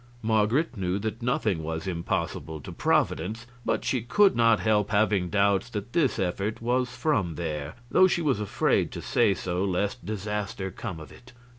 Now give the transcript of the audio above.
Marget knew that nothing was impossible to Providence, but she could not help having doubts that this effort was from there, though she was afraid to say so, lest disaster come of it.